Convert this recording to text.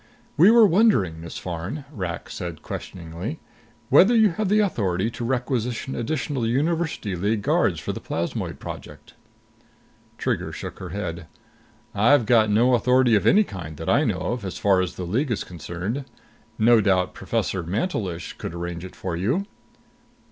"We were wondering, Miss Farn," Rak said questioningly, "whether you have the authority to requisition additional University League guards for the Plasmoid Project?" Trigger shook her head. "I've got no authority of any kind that I know of, as far as the League is concerned. No doubt Professor Mantelish could arrange it for you."